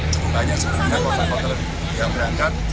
jadi banyak sebenarnya kotak kotak yang berangkat